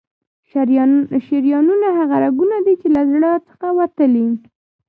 شریانونه هغه رګونه دي چې له زړه څخه وتلي.